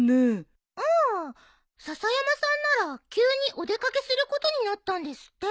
ああ笹山さんなら急にお出掛けすることになったんですって。